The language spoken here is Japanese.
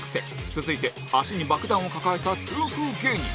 続いて足に爆弾を抱えた痛風芸人